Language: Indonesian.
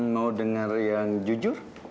mau dengar yang jujur